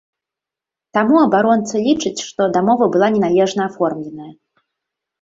Таму абаронца лічыць, што дамова была неналежна аформленая.